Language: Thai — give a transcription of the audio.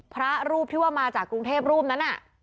พระรูปที่ว่ามาจากกรุงเทพรูปนั้นน่ะ